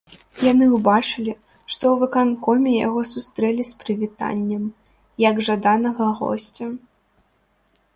Яны ўбачылі, што ў выканкоме яго сустрэлі з прывітаннем, як жаданага госця.